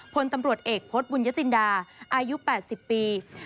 พลตำรวจเอกพฤษบุญยจินดาอายุ๘๐ปี